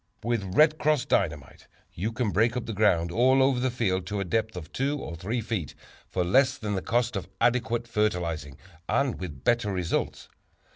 With "Red Cross" Dynamite you can break up the ground all over the field to a depth of two or three feet, for less than the cost of adequate fertilizing, and with better results.